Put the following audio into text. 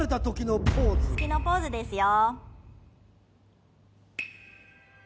鋤のポーズですよ。